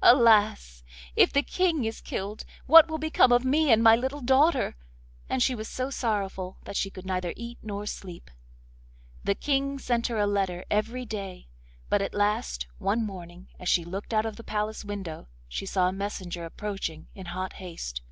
'Alas! If the King is killed, what will become of me and of my little daughter?' and she was so sorrowful that she could neither eat nor sleep. The King sent her a letter every day, but at last, one morning, as she looked out of the palace window, she saw a messenger approaching in hot haste.